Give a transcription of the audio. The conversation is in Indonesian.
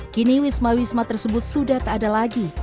kini wisma wisma tersebut sudah tak ada lagi